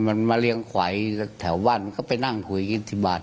มันมาเลี้ยงควายแถวบ้านมันก็ไปนั่งคุยกินที่บ้าน